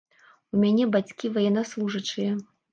У мяне бацькі ваеннаслужачыя.